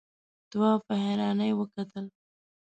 تواب په حيرانۍ وکتل.